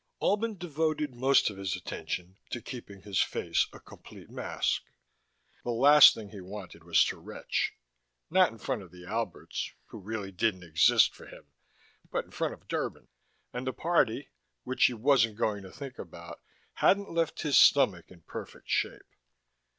Albin devoted most of his attention to keeping his face a complete mask. The last thing he wanted was to retch not in front of the Alberts, who didn't really exist for him, but in front of Derban. And the party (which he wasn't going to think about) hadn't left his stomach in perfect shape.